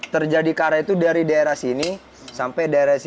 terjadi karat itu dari daerah sini sampai daerah sini